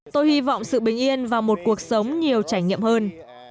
tôi hy vọng sự bình yên và một cuộc sống nhiều trải nghiệm hơn